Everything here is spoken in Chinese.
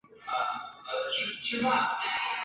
松日厄人口变化图示